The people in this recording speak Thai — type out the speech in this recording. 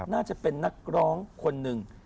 น่าจะเป็นนักร้องคนหนึ่ง